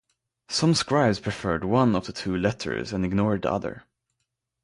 Some scribes preferred one of the two letters and ignored the other.